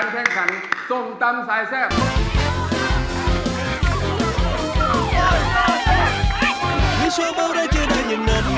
เฮ้ย